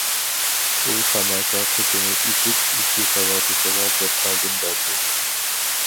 ئۇ تاماكا قېپىنى ئېچىپ، ئىككى ساۋاقدىشىغا بىر تالدىن بەردى.